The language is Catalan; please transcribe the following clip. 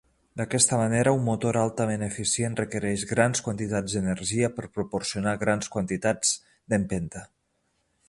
D'aquesta manera un motor altament eficient requereix grans quantitats d'energia per proporcionar grans quantitats d'empenta.